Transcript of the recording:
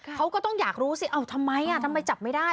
เขาก็ต้องอยากรู้สิเอ้าทำไมทำไมจับไม่ได้